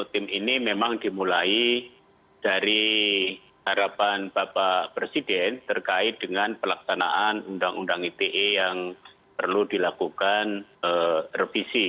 karena tim ini memang dimulai dari harapan bapak presiden terkait dengan pelaksanaan undang undang ite yang perlu dilakukan revisi